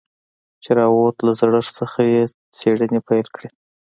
چې راووت له زړښت څخه يې څېړنې پيل کړې.